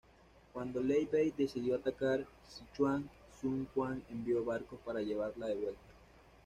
Cuando Liu Bei decidió atacar Sichuan, Sun Quan envió barcos para llevarla de vuelta.